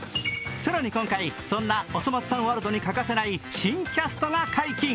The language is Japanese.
更に今回、そんな「おそ松さん」ワールドに欠かせない新キャストが解禁。